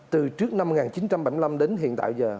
từ trước năm một nghìn chín trăm bảy mươi năm đến hiện tại giờ